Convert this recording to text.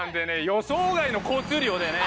予想外の交通量でね。